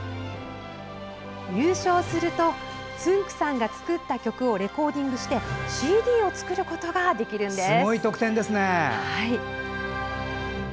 優勝するとつんく♂さんが作った曲をレコーディングしてＣＤを作ることができるんです。